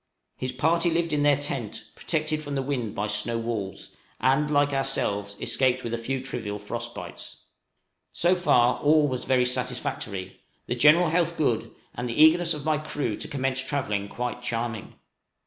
His party lived in their tent, protected from the wind by snow walls, and, like ourselves, escaped with a few trivial frost bites. So far all was very satisfactory, the general health good, and the eagerness of my crew to commence travelling quite charming.